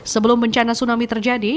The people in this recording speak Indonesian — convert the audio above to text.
sebelum bencana tsunami terjadi